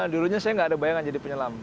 dulunya saya gak ada bayangan jadi penyelam